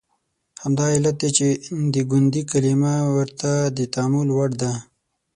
همدا علت دی چې د ګوندي کلمه ورته د تامل وړ ده.